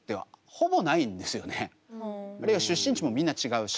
あるいは出身地もみんな違うし。